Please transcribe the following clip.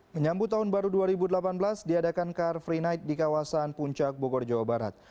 menyambut tahun baru dua ribu delapan belas diadakan car free night di kawasan puncak bogor jawa barat